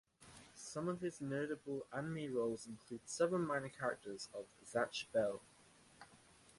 Some of his notable anime roles include several minor characters of "Zatch Bell!".